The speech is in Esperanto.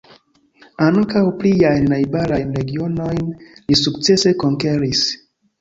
Ankaŭ pliajn najbarajn regionojn li sukcese konkeris.